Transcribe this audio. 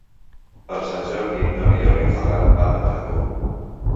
Per Sant Jordi n'Oriol i en Ferran van a Manacor.